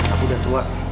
aku udah tua